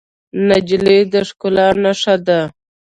نجلۍ د ښکلا نښه ده.